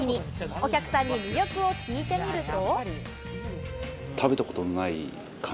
お客さんに魅力を聞いてみると。